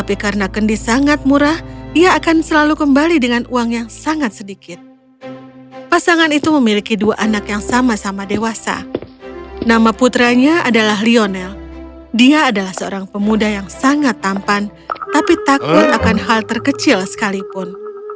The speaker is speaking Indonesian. nama putranya adalah lionel dia adalah seorang pemuda yang sangat tampan tapi takut akan hal terkecil sekalipun